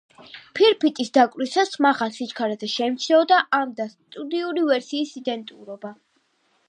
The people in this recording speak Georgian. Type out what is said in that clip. ფირფიტის დაკვრისას, მაღალ სიჩქარეზე შეიმჩნეოდა ამ და სტუდიური ვერსიის იდენტურობა.